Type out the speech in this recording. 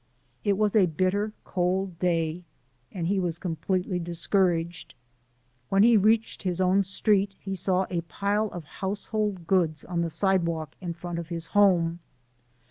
It was a bitter cold day, and he was completely discouraged. When he reached his own street he saw a pile of household goods on the sidewalk in front of his home.